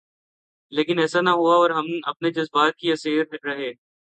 لیکن ایسا نہ ہوا اور ہم اپنے جذبات کے اسیر رہے۔